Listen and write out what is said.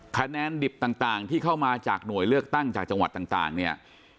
คะแนนดิบต่างที่เข้ามาจากหน่วยเลือกตั้งจากจังหวัดต่างเนี่ย